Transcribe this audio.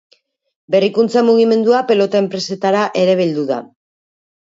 Berrikuntza mugimendua pelota enpresetara ere heldu da.